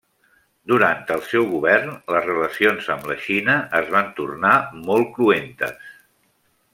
Durant el seu govern, les relacions amb la Xina es van tornar molt cruentes.